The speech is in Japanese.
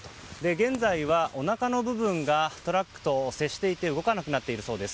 現在は、おなかの部分がトラックと接していて動かなくなっているそうです。